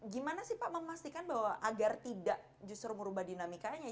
gimana sih pak memastikan bahwa agar tidak justru merubah dinamikanya